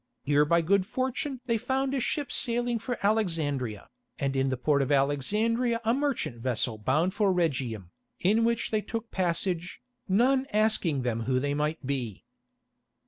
Here by good fortune they found a ship sailing for Alexandria, and in the port of Alexandria a merchant vessel bound for Rhegium, in which they took passage, none asking them who they might be.